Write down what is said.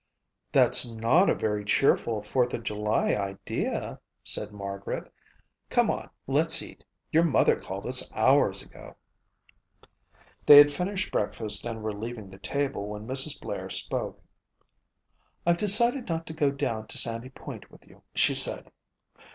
"That's not a very cheerful Fourth of July idea," said Margaret. "Come on, let's eat. Your mother called us hours ago." They had finished breakfast and were leaving the table when Mrs. Blair spoke. "I've decided not to go down to Sandy Point with you," she said.